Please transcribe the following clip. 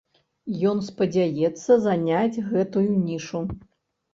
Ён спадзяецца заняць гэтую нішу.